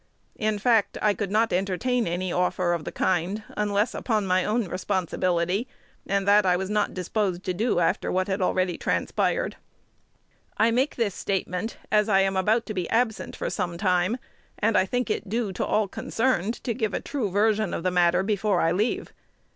In fact, I could not entertain any offer of the kind, unless upon my own responsibility; and that I was not disposed to do after what had already transpired. I make this statement, as I am about to be absent for some time, and I think it due to all concerned to give a true version of the matter before I leave.